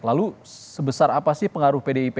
lalu sebesar apa sih pengaruh pdip